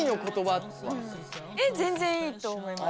全然いいと思います。